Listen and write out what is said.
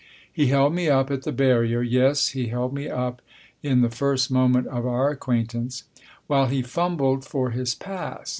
He held me up at the barrier (yes, he held me up in the first moment of our acquaintance) while he fumbled for his pass.